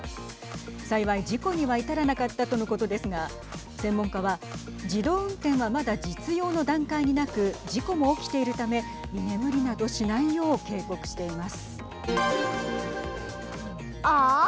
幸い事故には至らなかったとのことですが専門家は自動運転はまだ実用の段階になく事故も起きているため居眠りなどしないよう警告しています。